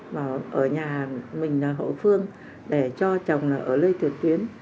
mà ở nhà mình là hội phương để cho chồng ở lây thuyệt tuyến